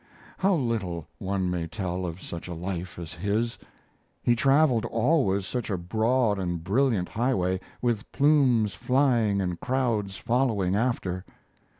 How little one may tell of such a life as his! He traveled always such a broad and brilliant highway, with plumes flying and crowds following after.